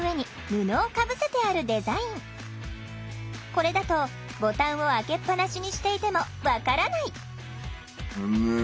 これだとボタンを開けっぱなしにしていても分からない。